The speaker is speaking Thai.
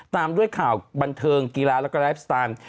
ตามด้วยข่าวบันเทิงกีฬาแล้วก็ไลฟ์สไตล์